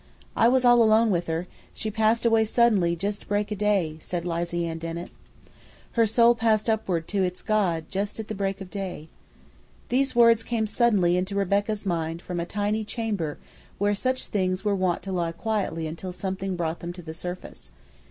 "I was all alone with her. She passed away suddenly jest about break o' day," said Lizy Ann Dennett. "Her soul passed upward to its God Just at the break of day." These words came suddenly into Rebecca's mind from a tiny chamber where such things were wont to lie quietly until something brought them to the surface.